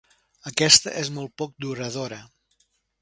Aquesta és molt poc duradora.